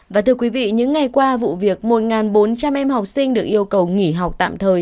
và thưa quý vị những ngày qua vụ việc một bốn trăm linh em học sinh được yêu cầu nghỉ học tạm thời